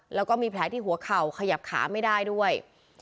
แล้วก็มีแผลที่หัวเข่าขยับขาไม่ได้ด้วย